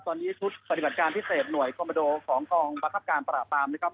ตอนนี้ทุกษ์ปฏิบัติการที่เส็บหน่วยกลมโมโดของทางบัคคับการประหลาดตามนะครับ